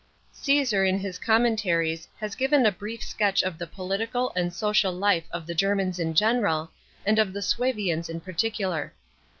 § 2. Caesar in his Commentaries has given a brief sketch of the political and social life of the Germans in general, and of the Suevians in particular.